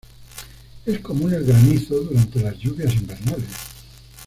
Es común el granizo durante las lluvias invernales.